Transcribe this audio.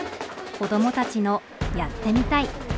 子どもたちの「やってみたい」。